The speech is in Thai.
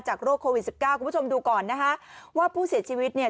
โรคโควิดสิบเก้าคุณผู้ชมดูก่อนนะคะว่าผู้เสียชีวิตเนี่ย